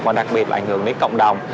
với cộng đồng